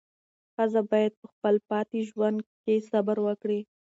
ښځه باید په خپل پاتې ژوند کې صبر وکړي.